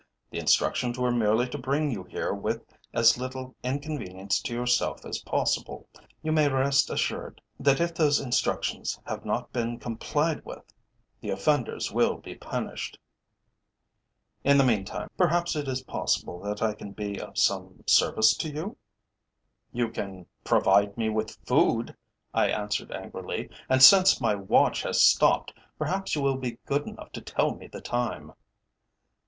"The instructions were merely to bring you here with as little inconvenience to yourself as possible. You may rest assured that if those instructions have not been complied with, the offenders will be punished. In the meantime, perhaps it is possible that I can be of some service to you?" "You can provide me with food," I answered angrily; "and, since my watch has stopped, perhaps you will be good enough to tell me the time."